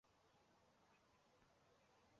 多斑杜鹃为杜鹃花科杜鹃属下的一个种。